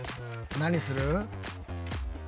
何する？